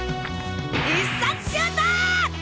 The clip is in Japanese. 必殺シュート！